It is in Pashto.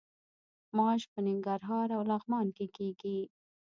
ماش په ننګرهار او لغمان کې کیږي.